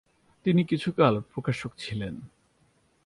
তিনি কিছুকাল প্রভাষক ছিলেন।